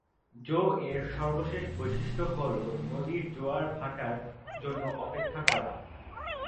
জো এর সর্বশেষ বৈশিষ্ট্য হল নদীর জোয়ার-ভাটার জন্য অপেক্ষা করা।